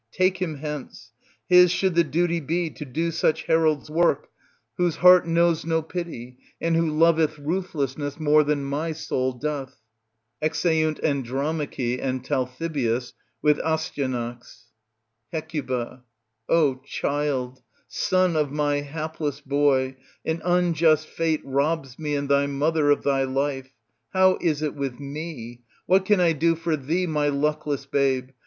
Take him hence. His should the duty be to do such herald's work. Digitized by Google 248 EURIPIDES. [L. 782 880 whose heart knows no pity and who loveth ruthlessness more than my soul doth. [Exeunt Andromache and Talthybius tvith Asty ANAX. Hec. O child, son of my hapless boy, an unjust fate robs me and thy mother of thy life. How is it with me ? What can I do for thee, my luckless babe?